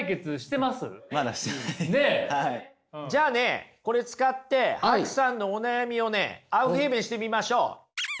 じゃあねこれ使ってＨＡＫＵさんのお悩みをねアウフヘーベンしてみましょう。